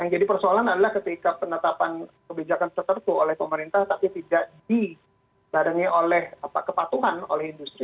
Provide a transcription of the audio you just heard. yang jadi persoalan adalah ketika penetapan kebijakan tertentu oleh pemerintah tapi tidak dibarengi oleh kepatuhan oleh industri